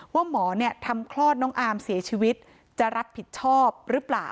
ว่าหมอทำคลอดน้องอามเสียชีวิตจะรับผิดชอบหรือเปล่า